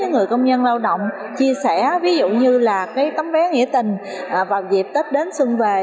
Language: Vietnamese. đến với người công nhân lao động chia sẻ ví dụ như là cái tấm vé nghĩa tình vào dịp tết đến xuân về